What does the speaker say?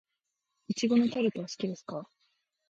苺のタルトは好きですか。